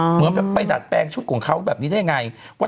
เหมือนไปดัดแปลงชุดของเขาแบบนี้ได้ยังไงว่า